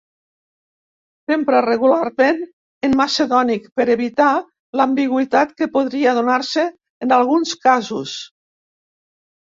S'empra regularment en macedònic per evitar l'ambigüitat que podria donar-se en alguns casos.